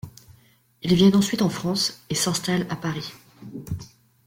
Ils viennent ensuite en France et s'installent à Paris.